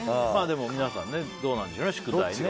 皆さんどうなんでしょうね、宿題。